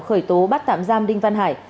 khởi tố bắt tạm giam đinh văn hải